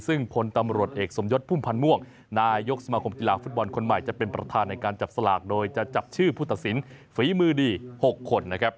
ซึ่งพลตำรวจเอกสมยศพุ่มพันธ์ม่วงนายกสมาคมกีฬาฟุตบอลคนใหม่จะเป็นประธานในการจับสลากโดยจะจับชื่อผู้ตัดสินฝีมือดี๖คนนะครับ